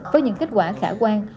với những kết quả khả quan